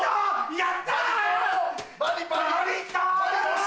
やった！